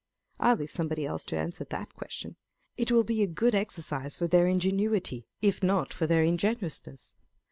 I leave some body else to answer that question. It will be a good exercise for their ingenuity, if not for their ingenuousness.